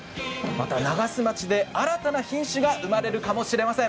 また長洲町で新たな品種が生まれるかもしれません。